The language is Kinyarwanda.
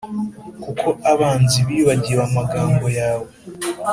Kuko abanzi bibagiwe amagambo yawe